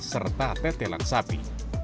sampai tetelan sapi